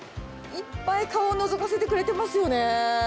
いっぱい顔をのぞかせてくれてますよね。